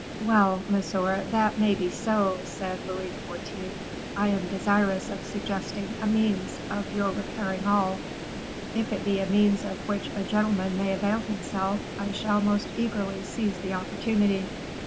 "Well, monsieur, that may be so," said Louis XIV.; "I am desirous of suggesting a means of your repairing all." "If it be a means of which a gentleman may avail himself, I shall most eagerly seize the opportunity."